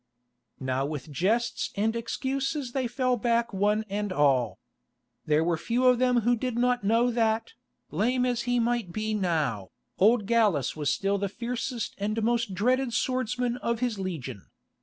Now with jests and excuses they fell back one and all. There were few of them who did not know that, lame as he might be now, old Gallus was still the fiercest and most dreaded swordsman of his legion.